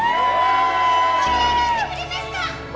盛り上がってくれますか？